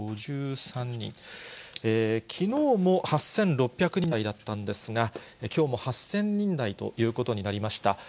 きのうも８６００人台だったんですが、きょうも８０００人台ということになりました。